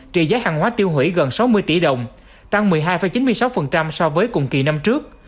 trị giá hàng hóa tiêu hủy gần sáu mươi tỷ đồng tăng một mươi hai chín mươi sáu so với cùng kỳ năm trước